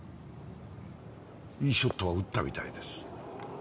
いいショットは打ったみたいです。